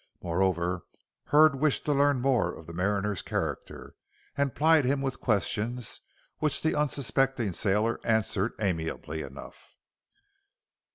Moreover, Hurd wished to learn more of the mariner's character, and plied him with questions, which the unsuspecting sailor answered amiably enough.